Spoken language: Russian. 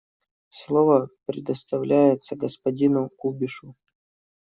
Слово предоставляется господину Кубишу.